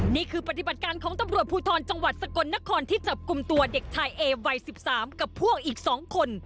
นี่คือปฏิบัติการของตำรวจภูทรจังหวัดสกลนครที่จับกลุ่มตัวเด็กชายเอวัย๑๓กับพวกอีก๒คน